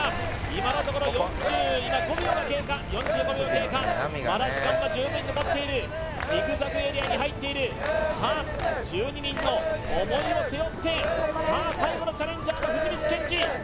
今のところ４５秒が経過まだ時間は十分に残っているジグザグエリアに入っているさあ１２人の思いを背負ってさあ最後のチャレンジャーの藤光謙司